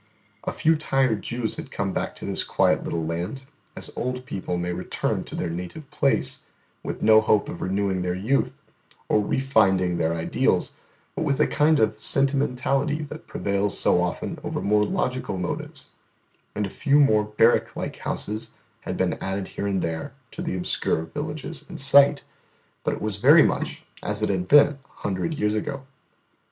A few tired Jews had come back to this quiet little land, as old people may return to their native place, with no hope of renewing their youth, or refinding their ideals, but with a kind of sentimentality that prevails so often over more logical motives, and a few more barrack like houses had been added here and there to the obscure villages in sight. But it was very much as it had been a hundred years ago.